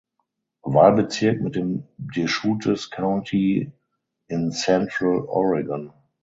Wahlbezirk mit dem Deschutes County in Central Oregon.